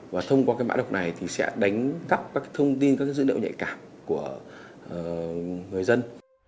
và thông qua cái mã độc này thì sẽ đánh cắp các cái thông tin các dữ liệu nhạy cảm của người dân